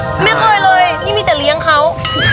อุ๊ยไม่เคยเลยยังมีแต่เลี้ยงเขา